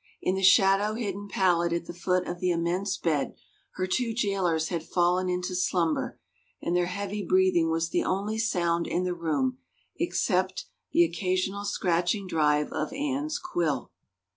In the shadow hidden pallet at the foot of the immense bed her two jailers had fallen into slumber and their heavy breathing was the only sound in the room except the occasional scratching drive of Anne's quill.